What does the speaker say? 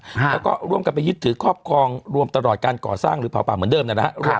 แล้วก็ร่วมกันไปยึดถือครอบครองรวมตลอดการก่อสร้างหรือเผาป่าเหมือนเดิมนะฮะ